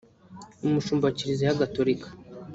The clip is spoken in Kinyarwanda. Umushumba wa Kiliziya Gatolika